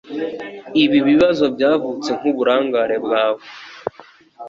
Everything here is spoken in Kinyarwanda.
Ibi bibazo byavutse nkuburangare bwawe